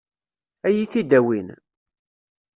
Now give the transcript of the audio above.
Ad iyi-t-id-awin?